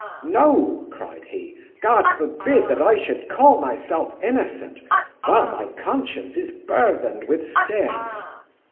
'No (cried he) God forbid that I should call myself innocent, while my conscience is burthened with sin.